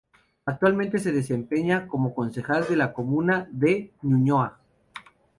Actualmente se desempeña como concejal de la comuna de Ñuñoa.